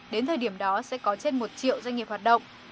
đến thời điểm đó sẽ có trên một triệu doanh nghiệp hoạt động